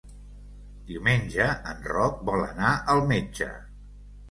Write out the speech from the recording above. Diumenge en Roc vol anar al metge.